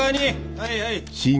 はいはい。